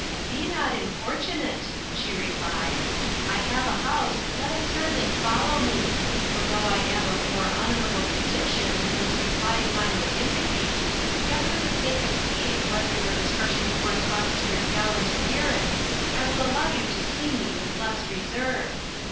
"Be not importunate," she replied; "I have a house; let a servant follow me; for though I am of more honourable condition than this reply of mine would indicate, yet for the sake of seeing whether your discretion corresponds to your gallant appearance, I will allow you to see me with less reserve."